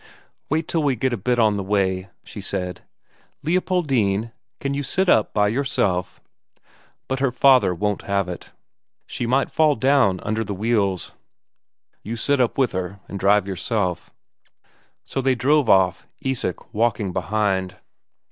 "Wait till we get a bit on the way," said she. "Leopoldine, can you sit up by yourself?" But her father won't have it; she might fall down under the wheels. "You sit up with her and drive yourself." So they drove off, Isak walking behind.